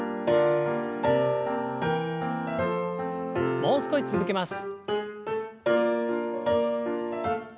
もう少し続けます。